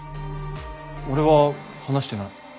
俺は話してない。